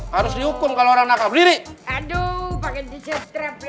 harus dihukum kalau anak anak berdiri aduh